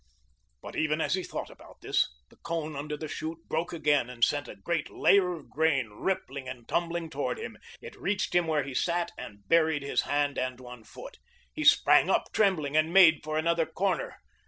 But even as he thought about this, the cone under the chute broke again and sent a great layer of grain rippling and tumbling toward him. It reached him where he sat and buried his hand and one foot. He sprang up trembling and made for another corner.